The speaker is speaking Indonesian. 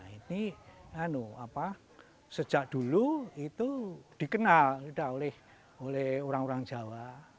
ini sejak dulu itu dikenal oleh orang orang jawa